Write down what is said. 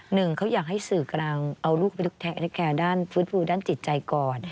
หนึ่งเขาอยากให้สื่อกำลังเอาลูกไปแคร์ด้านฟื้นฟูด้านจิตใจก่อน